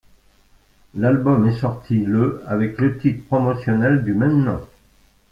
L'album est sorti le avec le titre promotionnel du même nom.